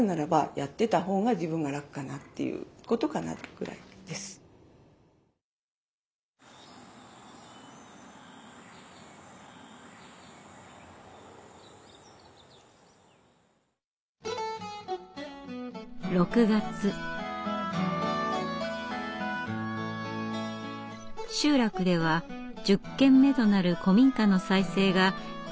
集落では１０軒目となる古民家の再生が着々と進んでいました。